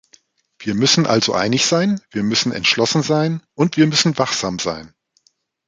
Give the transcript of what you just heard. Wir müssen also einig sein, wir müssen entschlossen sein, und wir müssen wachsam sein.